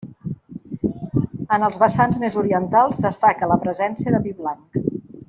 En els vessants més orientals destaca la presència de pi blanc.